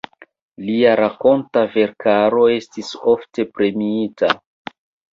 Lia rakonta verkaro estis ofte premiita.